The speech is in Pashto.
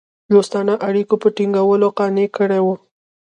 دوستانه اړېکو په ټینګولو قانع کړي وه.